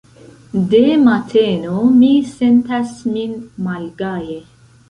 De mateno mi sentas min malgaje.